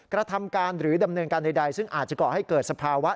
กระทำการหรือดำเนินการใดซึ่งอาจจะก่อให้เกิดสภาวะ